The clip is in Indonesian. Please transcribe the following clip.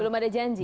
belum ada janji